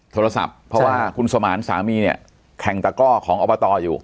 โทรศัพท์เพราะว่าคุณสมานสามีเนี่ยแข่งตะก้อของอบตอยู่